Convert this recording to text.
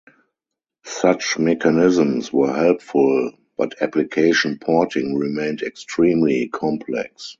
Such mechanisms were helpful, but application porting remained extremely complex.